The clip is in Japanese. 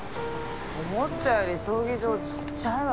思ったより葬儀場ちっちゃいわね。